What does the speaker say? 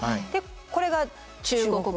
これが中国語。